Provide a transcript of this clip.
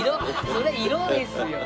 それ色ですよ。